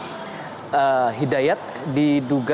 jadi hidayat diduga